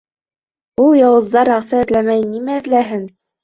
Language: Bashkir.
Ул яуыздар аҡса эҙләмәй нимә эҙләһен?